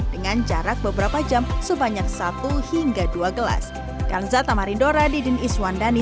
dengan jarak beberapa jam sebanyak satu hingga dua gelas